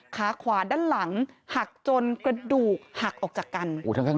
ขาขวาด้านหลังหักจนกระดูกหักออกจากกัน